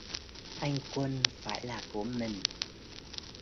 Anh Quân phải là của mình